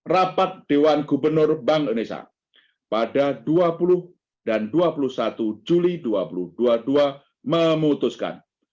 rapat dewan gubernur bank indonesia pada dua puluh dan dua puluh satu juli dua ribu dua puluh dua memutuskan